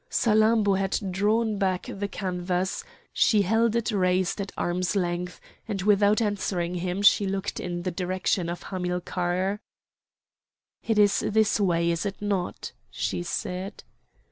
Salammbô had drawn back the canvas; she held it raised at arm's length, and without answering him she looked in the direction of Hamilcar. "It is this way, is it not?" she said.